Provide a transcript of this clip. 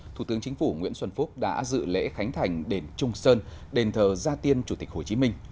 thủ tướng chính phủ nguyễn xuân phúc đã dự lễ khánh thành đền trung sơn đền thờ gia tiên chủ tịch hồ chí minh